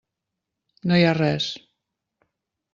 No hi ha res.